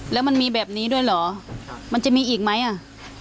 แล้วมันมีแบบนี้ด้วยเหรอมันจะมีอีกไหมอ่ะ